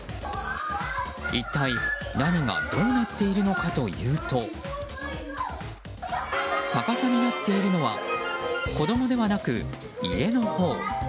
一体、何がどうなっているのかというと逆さになっているのは子供ではなく家のほう。